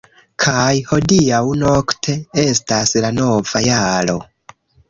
- Kaj hodiaŭ-nokte estas la nova jaro!